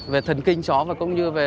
về thần kinh chó và công như về